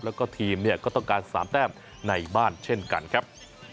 แล้วก็ทีมก็ต้องการ๓แบบในบ้านเช่นกันครับ